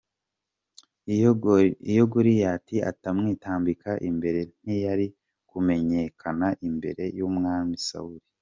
iyo Goliyati atamwitambika imbere ntiyari kumenyekana imbere y'umwami Sawuli.